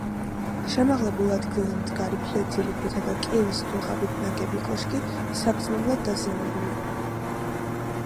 შემაღლებულ ადგილზე მდგარი, ფლეთილი ქვითა და კირის დუღაბით ნაგები კოშკი საგრძნობლად დაზიანებულია.